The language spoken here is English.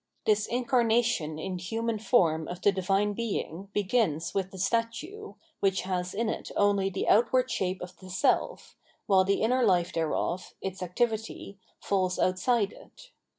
This incarnation in human form of the Divine Being begins with the statue, which has in it only the outward shape of the self, while the inner life thereof, its activity, falls outside it.